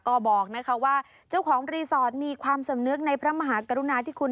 ก็บอกนะคะว่าเจ้าของรีสอร์ทมีความสำนึกในพระมหากรุณาที่คุณ